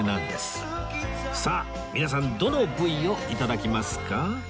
さあ皆さんどの部位を頂きますか？